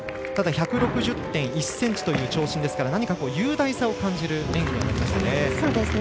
ただ、１６０．１ｃｍという長身ですから何か雄大さを感じる演技になりましたね。